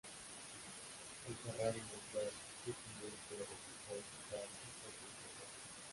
El Ferrari Mondial es un vehículo de motor central y tracción trasera.